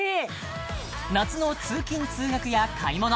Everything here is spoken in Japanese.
夏の通勤通学や買い物